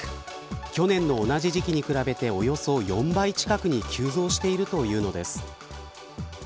去年の同じ時期に比べておよそ４倍近くに急増しているというのです。